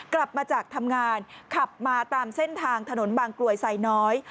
กลับมาจากทำงานขับมาตามเส้นทางถนนบางกลวยไซน้อย